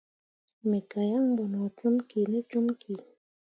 Me gah yan bo no com kine comki.